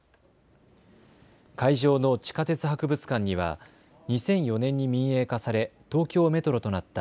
会場の地下鉄博物館には２００４年に民営化され東京メトロとなった